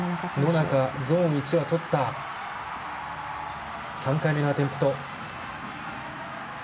野中、ゾーン１をとった３回目のアテンプト。